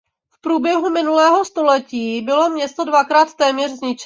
V průběhu minulého století bylo město dvakrát téměř zničeno.